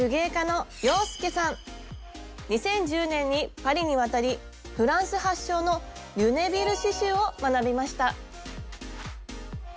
２０１０年にパリに渡りフランス発祥のリュネビル刺しゅうを学びました。